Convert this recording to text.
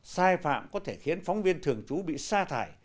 sai phạm có thể khiến phóng viên thường trú bị sa thải